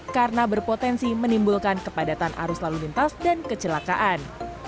karena berpotensi menimbulkan kepadatan arus lalu lintas dan kecelakaan